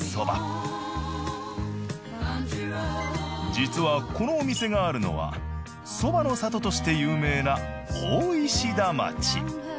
実はこのお店があるのはそばの里として有名な大石田町。